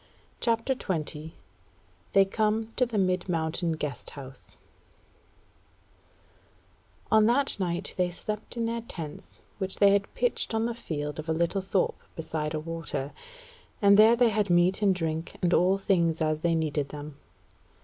CHAPTER 20 They Come to the Mid Mountain Guest House On that night they slept in their tents which they had pitched on the field of a little thorp beside a water; and there they had meat and drink and all things as they needed them.